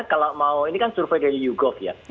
kalau mau ini kan survei dari yougov ya